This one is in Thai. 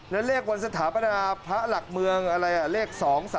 แล้วเลขวัญสถาปัญหาพระหลักเมืองเลข๒๓๙